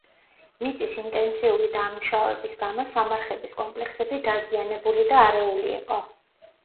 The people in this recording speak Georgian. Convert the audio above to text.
მიწის ინტენსიური დამუშავების გამო სამარხების კომპლექსები დაზიანებული და არეული იყო.